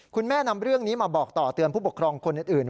นำเรื่องนี้มาบอกต่อเตือนผู้ปกครองคนอื่น